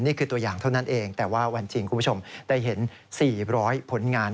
นี่คือตัวอย่างเท่านั้นเองแต่ว่าวันจริงคุณผู้ชมได้เห็น๔๐๐ผลงาน